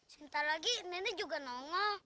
sebentar lagi nenek juga nono